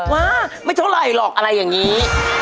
ว่าไม่เท่าไหร่หรอกอะไรอย่างนี้